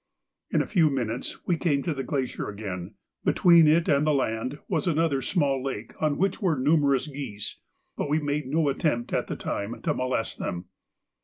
In a few minutes we came to the glacier again; between it and the land was another small lake on which were numerous geese, but we made no attempt at the time to molest them.